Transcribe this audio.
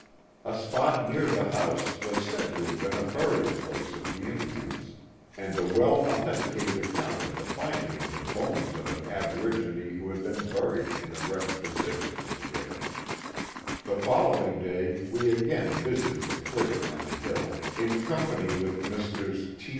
A spot near the house was said to have been a burial place of the Indians, and a well authenticated account of the finding of the bones of an aborigine who had been buried in an erect position was given. ao 3o6 The Mohawk Valley The following day we again visited the clearing on the hill, in company with Messrs.